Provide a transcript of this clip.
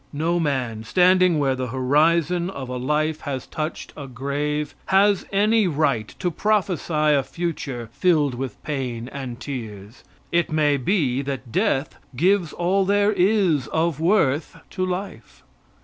No man standing where the horizon of a life has touched a grave has any right to prophesy a future filled with pain and tears. It may be that death gives all there is of worth to life.